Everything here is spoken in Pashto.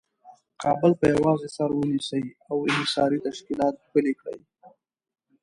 کابل په یوازې سر ونیسي او انحصاري تشکیلات پلي کړي.